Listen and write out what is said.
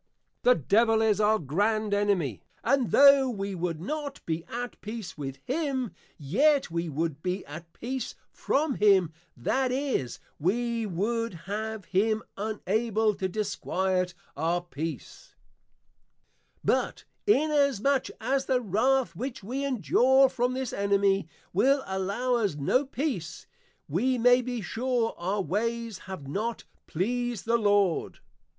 _ The Devil is our grand Enemy; and tho' we would not be at peace with him, yet we would be at peace from him, that is, we would have him unable to disquiet our peace. But inasmuch as the wrath which we endure from this Enemy, will allow us no peace, we may be sure, _our ways have not pleased the Lord.